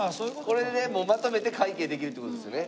これでまとめて会計できるって事ですよね。